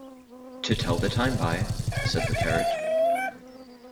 “To tell the time by,” said the parrot.